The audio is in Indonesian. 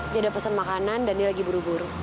dia udah pesan makanan dan dia lagi buru buru